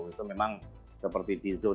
itu memang seperti di zone